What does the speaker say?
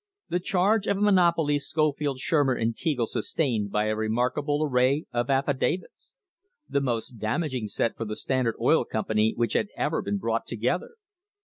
The charge of monopoly Scofield, Shurmer and Teagle sustained by a remarkable array of affidavits the most dam aging set for the Standard Oil Company which had ever been brought together.